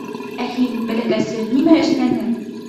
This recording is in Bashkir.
— Ә һин, бәләкәсем, нимә эшләнең?